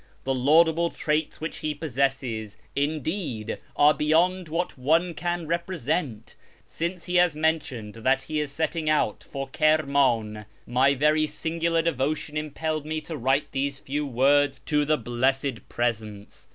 The laudable traits which he possesses, indeed, are beyond what one can represent. Since he has mentioned that he is setting out for Kirmiin, my very singular devotion impelled me to write these few words to the Blessed Presence.